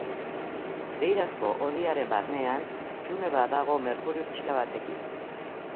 Beirazko hodiaren barnean hutsune bat dago merkurio pixka batekin.